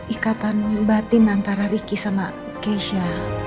ikatan batin antara ricky sama keisha